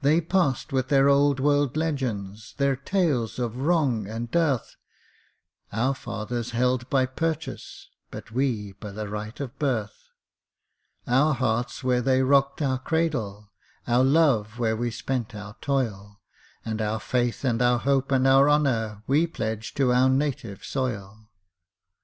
They passed with their old world legends Their tales of wrong and dearth Our fathers held by purchase, But we by the right of birth; Our heart's where they rocked our cradle, Our love where we spent our toil, And our faith and our hope and our honour We pledge, to our native soil!